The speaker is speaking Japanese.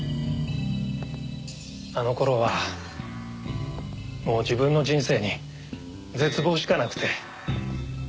あの頃はもう自分の人生に絶望しかなくて。